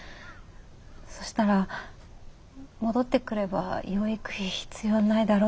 そしたら戻ってくれば養育費必要ないだろって。